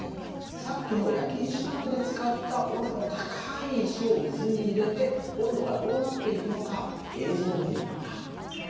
さっきの焼き石鍋で使った温度の高い石を水に入れて温度がどうなっていくのか映像を見てみようか。